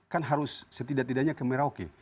kan harus setidak tidaknya ke merauke